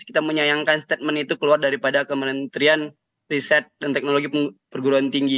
kita menyayangkan statement itu keluar daripada kementerian riset dan teknologi perguruan tinggi